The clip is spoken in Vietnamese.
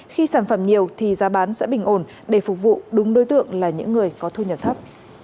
khi sản phẩm nhiều thì giá bán sẽ bình ổn để phục vụ đúng đối tượng là những người có thu nhập thấp